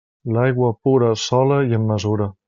L'aigua pura, sola i amb mesura.